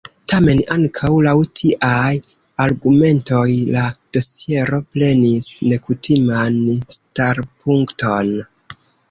Tamen ankaŭ laŭ tiaj argumentoj la dosiero prenis nekutiman starpunkton.